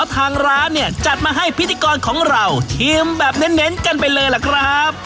ทางร้านเนี่ยจัดมาให้พิธีกรของเราชิมแบบเน้นกันไปเลยล่ะครับ